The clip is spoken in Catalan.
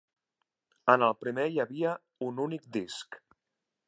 En el primer hi havia un únic disc.